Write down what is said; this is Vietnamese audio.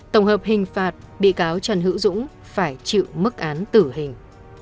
tổng hợp hình phạt bị cáo trần hữu dũng phải chịu mức án tử hình